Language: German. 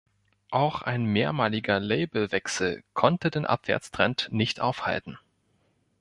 Auch ein mehrmaliger Labelwechsel konnte den Abwärtstrend nicht aufhalten.